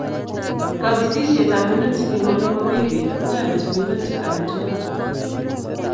Kapisishet ab minutik eng' ole mami beek kotareti minutik agetugul